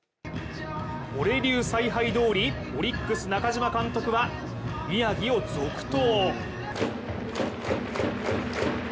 オレ流采配どおりオリックス・中嶋監督は宮城を続投。